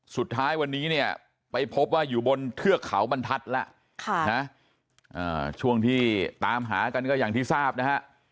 สุดท้ายวันนี้เนี่ยไปพบว่าอยู่บนเทือกเขาบรรทัศน์แล้วช่วงที่ตามหากันก็อย่างที่ทราบนะฮะ